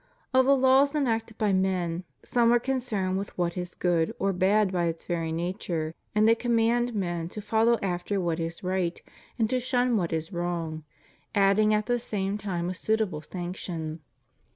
Of the laws enacted by men, some are concerned with what is good or bad by its very nature ; and they command men to follow after what is right and to shun what is wrong, adding at the same time a suitable sanction.